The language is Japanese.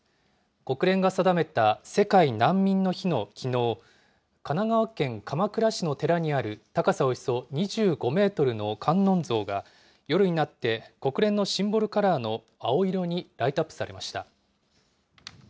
国連が定めた世界難民の日のきのう、神奈川県鎌倉市の寺にある高さおよそ２５メートルの観音像が、夜になって国連のシンボルカラーの青色にライトアップされました。